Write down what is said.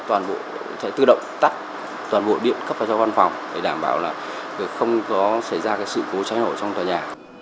toàn bộ sẽ tự động tắt toàn bộ điện cấp vào trong văn phòng để đảm bảo là không có xảy ra sự cố cháy đổ trong tòa nhà